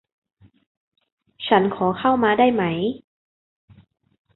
ฉันขอเข้ามาได้ไหม